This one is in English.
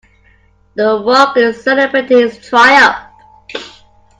The rogue is celebrating his triumph.